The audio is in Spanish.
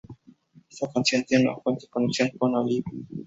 Esta canción tiene una fuerte conexión con "Alive".